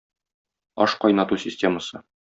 Ашкайнату системасы.